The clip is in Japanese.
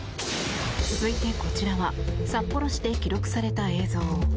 続いて、こちらは札幌市で記録された映像。